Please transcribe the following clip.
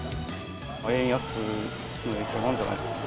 円安の影響もあるんじゃないですか。